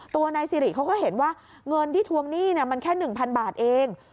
ตัวนายสิริเขาก็เห็นว่าเงินที่ทวงหนี้มันแค่๑๐๐บาทเอง